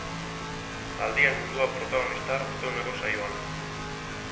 Zaldien mundua protagonista osteguneko saioan.